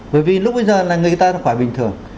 bởi vì lúc bây giờ là người ta khỏi bình thường